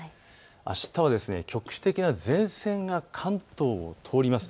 あしたは局地的に前線が関東を通ります。